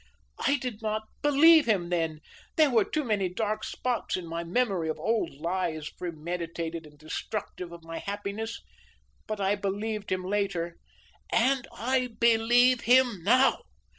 I did not believe him then, there were too many dark spots in my memory of old lies premeditated and destructive of my happiness; but I believed him later, AND I BELIEVE HIM NOW."